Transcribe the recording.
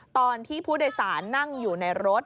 ตอนที่ผู้โดยสารนั่งอยู่ในรถ